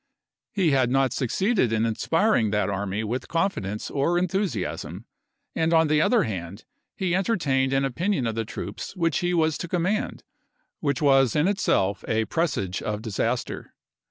He had not succeeded in inspiring that army with confidence or enthusiasm; and on the other hand he entertained an opinion of the troops whom he was to command which was in itself a presage of disaster.